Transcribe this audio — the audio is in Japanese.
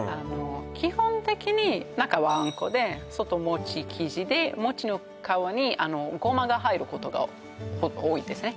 基本的に中は餡子で外餅生地で餅の皮にゴマが入ることが多いですね